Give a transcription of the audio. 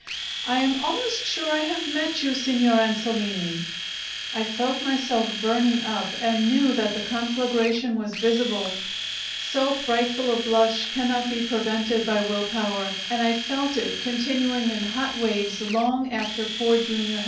"I am almost sure I have met you, Signor Ansolini." I felt myself burning up and knew that the conflagration was visible. So frightful a blush cannot be prevented by will power, and I felt it continuing in hot waves long after Poor Jr.